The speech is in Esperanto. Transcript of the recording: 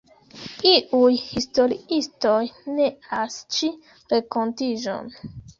Iuj historiistoj neas ĉi renkontiĝon.